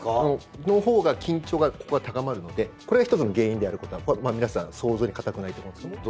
そのほうが緊張が、ここが高まるのでこれが１つの原因であることは皆さん、想像に難くないと思うんですけどね。